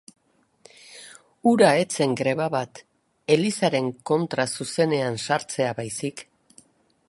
Hura ez zen greba bat, Elizaren kontra zuzenean sartzea baizik.